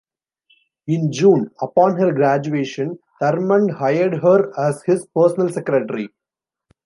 In June, upon her graduation, Thurmond hired her as his personal secretary.